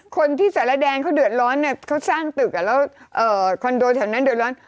คนที่สารแดนเขาเดือดร้อนเขาสร้างตึกแล้วคอนโดแถวนั้นเดือดร้อน